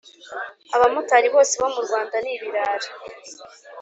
Abamotari bose bo mu Rwanda ni ibirara